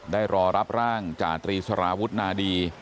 รอรับร่างจาตรีสารวุฒนาดี